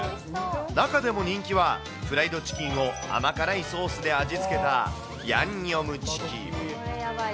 中でも人気は、フライドチキンを甘辛いソースで味付けたヤンニョムチキン。